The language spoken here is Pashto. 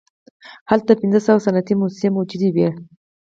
هلته پنځه سوه صنعتي موسسې موجودې وې